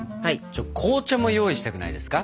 紅茶も用意したくないですか？